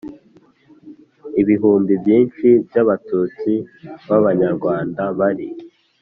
ibihumbi byinshi by'abatutsi b'abanyarwanda bari